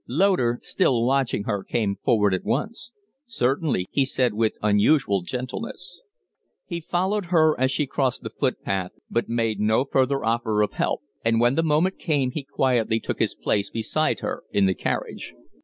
Loder, still watching her, came forward at once. "Certainly," he said, with unusual gentleness. He followed her as she crossed the footpath, but made no further offer of help; and when the moment came he quietly took his place beside her in the carriage.